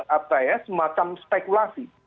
apa ya semacam spekulasi